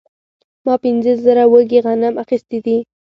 ما پنځه زره وږي غنم اخیستي دي